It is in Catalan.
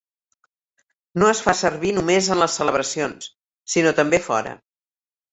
No es fa servir només en les celebracions, sinó també fora.